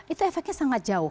itu efeknya sangat jauh